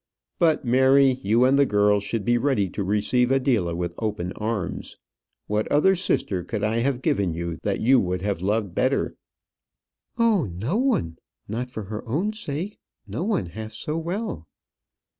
But, Mary, you and the girls should be ready to receive Adela with open arms. What other sister could I have given you that you would have loved better?" "Oh, no one; not for her own sake no one half so well."